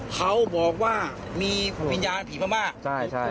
เขาบอกว่ามีภิญาณผีมากมาก